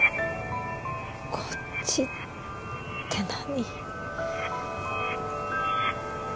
「こっち」って何？